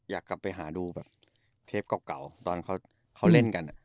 อยากกลับไปหาดูแบบเทปเก่าตอนเขาเล่นกัน